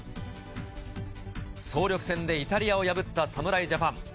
総力戦でイタリアを破った侍ジャパン。